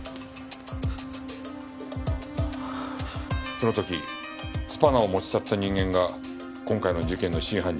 その時スパナを持ち去った人間が今回の事件の真犯人です。